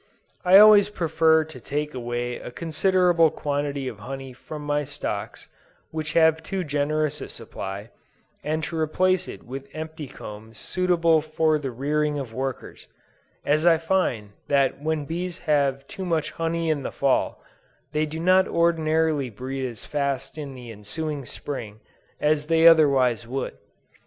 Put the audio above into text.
I always prefer to take away a considerable quantity of honey from my stocks, which have too generous a supply, and to replace it with empty combs suitable for the rearing of workers; as I find that when bees have too much honey in the Fall, they do not ordinarily breed as fast in the ensuing Spring, as they otherwise would.